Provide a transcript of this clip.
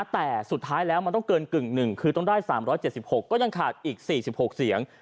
แต่สุดท้ายแล้วมันต้องเกินกึ่งหนึ่งคือต้องได้๓๗๖ก็ยังขาดอีก๔๖เสียง